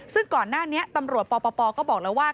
ซึ่งก่อนหน้านี้ตำรวจปปก็บอกแล้วว่า